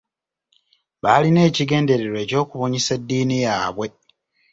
Baalina ekigendererwa eky’okubunyisa eddiini yaabwe.